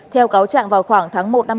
theo cáo chạm vào khoảng tháng một